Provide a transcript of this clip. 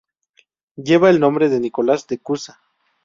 Lleva el nombre de Nicolás de Cusa.